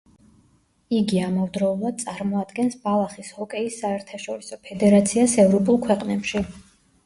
იგი ამავდროულად წარმოადგენს ბალახის ჰოკეის საერთაშორისო ფედერაციას ევროპულ ქვეყნებში.